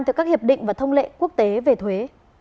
theo các hiệp định và thông lệ quốc tế về thuế